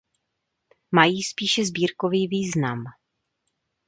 Mají spíše sbírkový význam.